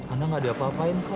ana gak ada apa apain kok